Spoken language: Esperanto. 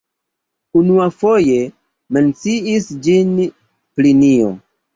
Unuafoje menciis ĝin Plinio.